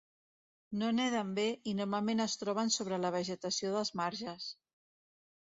No neden bé i normalment es troben sobre la vegetació dels marges.